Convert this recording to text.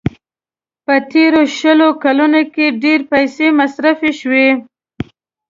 په تېرو شلو کلونو کې ډېرې پيسې مصرف شوې.